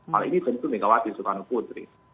hal ini tentu megawati soekarno putri